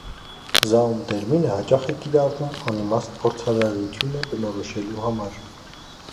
Զաում տերմինը հաճախ է կիրառվում անիմաստ փորձարարությունը բնորոշելու համար։